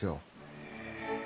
へえ。